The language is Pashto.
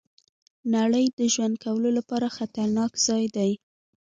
نړۍ د ژوند کولو لپاره خطرناک ځای دی.